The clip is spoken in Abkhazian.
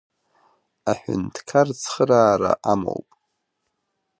Аҳәынҭқар цхыраара амоуп.